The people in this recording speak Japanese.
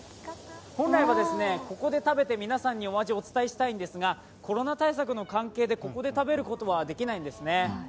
本来はここで食べて皆さんにお味をお伝えしたいんですがコロナ対策の関係でここで食べることはできないんですね。